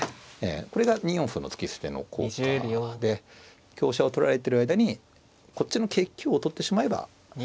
これが２四歩の突き捨ての効果で香車を取られてる間にこっちの桂香を取ってしまえばね